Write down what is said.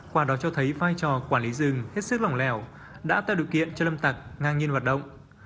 quả đó cho thấy vai trò quản lý rừng hết sức lỏng lẻo đã tạo điều kiện cho lâm tặc ngang nhiên hoạt động